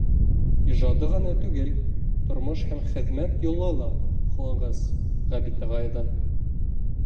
Ижады ғына түгел, тормош һәм хеҙмәт юлы ла һоҡланғыс Ғәбит ағайҙың.